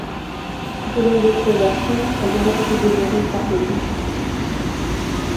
Selon d'autres versions, elles auraient été dévorées par des loups.